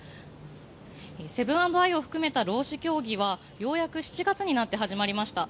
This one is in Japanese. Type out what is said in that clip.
セブン＆アイを含めた労使協議はようやく７月になって始まりました。